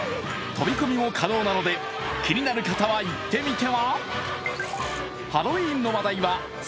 飛び込みも可能なので気になる方は行ってみては？